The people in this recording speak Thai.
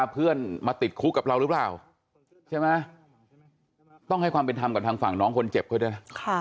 เพื่อนมาติดคุกกับเราหรือเปล่าใช่ไหมต้องให้ความเป็นธรรมกับทางฝั่งน้องคนเจ็บเขาด้วยนะ